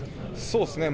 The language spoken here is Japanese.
そうですね。